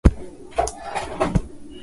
Mjumbe mpya wa Umoja wa mataifa alitoa wito